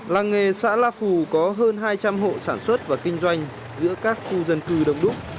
làng nghề xã la phù có hơn hai trăm linh hộ sản xuất và kinh doanh giữa các khu dân cư đông đúc